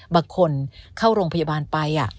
บางคนเข้าโรงพยาบาลไป